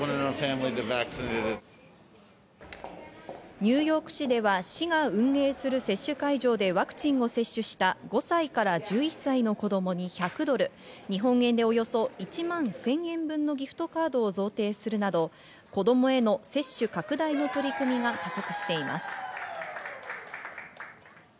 ニューヨーク市では市が運営する接種会場でワクチンを接種した５歳から１１歳の子供に１００ドル、日本円でおよそ１万１０００円分のギフトカードを贈呈するなど、子供への接種拡大の取り組みが加速しています。